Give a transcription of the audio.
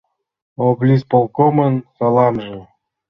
«Облисполкомын саламже.